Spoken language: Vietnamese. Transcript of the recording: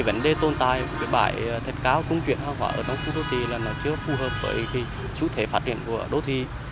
vấn đề tồn tại của cái bãi thạch cao cung chuyển hoa hỏa ở trong khu đô thi là nó chưa phù hợp với cái chữ thể phát triển của đô thi